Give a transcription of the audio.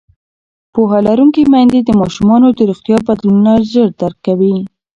پوهه لرونکې میندې د ماشومانو د روغتیا بدلونونه ژر درک کوي.